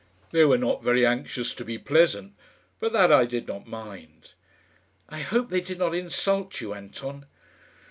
They were not very anxious to be pleasant; but that I did not mind." "I hope they did not insult you, Anton?"